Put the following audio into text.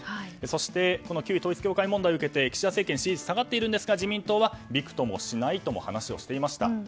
そして、旧統一教会問題を受けて岸田政権の支持率が下がっていますが自民党はびくともしないと話していました。